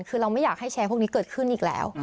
คือเราไม่อยากให้แชร์พวกนี้เกิดขึ้นอีกแล้ว